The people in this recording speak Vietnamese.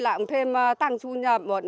là cũng thêm tăng thu nhập